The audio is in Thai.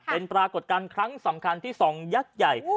เป็นปรากฏการณ์ครั้งสำคัญที่๒ยักษ์ใหญ่